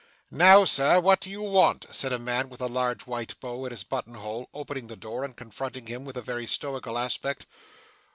'Now, sir, what do you want!' said a man with a large white bow at his button hole, opening the door, and confronting him with a very stoical aspect.